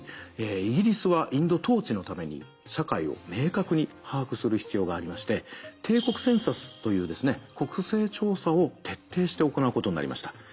イギリスはインド統治のために社会を明確に把握する必要がありまして帝国センサスという国勢調査を徹底して行うことになりました。